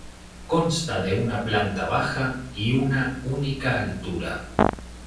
Consta de planta baja y una única altura.